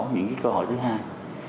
những cái cơ hội thứ hai